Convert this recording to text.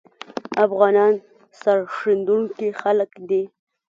افغانان سرښندونکي خلګ دي